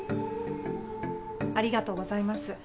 ありがとうございます。